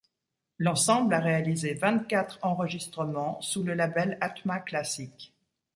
L'ensemble a réalisé vingt-quatre enregistrements sous le label Atma Classique.